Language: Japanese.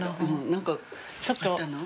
何かあったの？